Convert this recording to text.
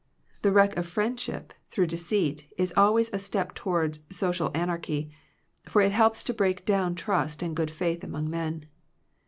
The wreck of friendship through deceit is al* ways a step toward social anarchy; for it helps to break down trust and good faith among men.